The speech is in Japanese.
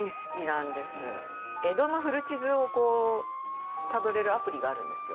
江戸の古地図をたどれるアプリがあるんですよ。